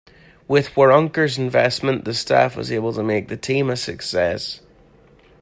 With Waronker's investment, the staff was able to make the team a success.